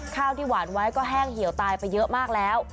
ข้าวที่หวานไว้ก็แห้งเหี่ยวตายไปเยอะมากแล้ว